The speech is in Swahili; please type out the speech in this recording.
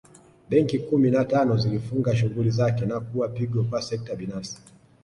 Benki kumi na tano zilifunga shughuli zake na kuwa pigo kwa sekta binafsi